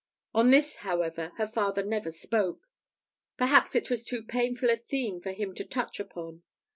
On this, however, her father never spoke; perhaps it was too painful a theme for him to touch upon.